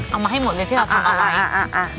เอามาให้หมดเลยที่เราทำเอาไว้